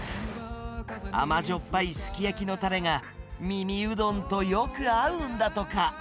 甘じょっぱいすき焼きのたれが、耳うどんとよく合うんだとか。